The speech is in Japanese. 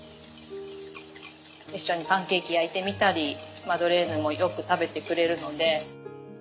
一緒にパンケーキ焼いてみたりマドレーヌもよく食べてくれるので。